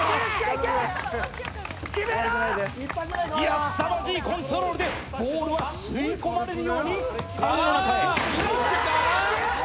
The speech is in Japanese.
すさまじいコントロールでボールは吸い込まれるようにかごの中へ。